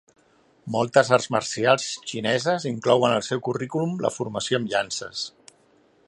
Moltes arts marcials xineses inclouen al seu currículum la formació amb llances.